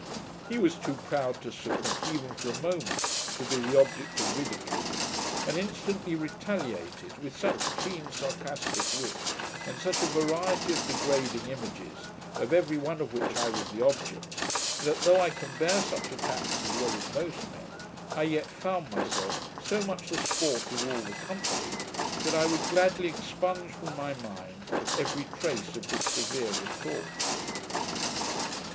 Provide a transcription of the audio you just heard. He was too proud to submit, even for a moment, to be the object of ridicule, and instantly retaliated with such keen sarcastick wit, and such a variety of degrading images, of every one of which I was the object, that, though I can bear such attacks as well as most men, I yet found myself so much the sport of all the company, that I would gladly expunge from my mind every trace of this severe retort.